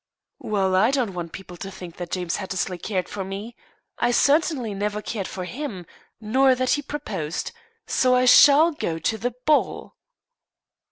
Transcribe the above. "Well I don't want people to think that James Hattersley cared for me I certainly never cared for him nor that he proposed; so I shall go to the ball."